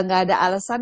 gak ada alasan